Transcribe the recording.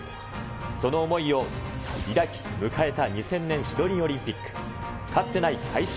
その思いを抱き、迎えた２０００年シドニーオリンピック。